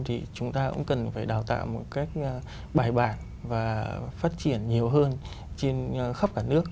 thì chúng ta cũng cần phải đào tạo một cách bài bản và phát triển nhiều hơn trên khắp cả nước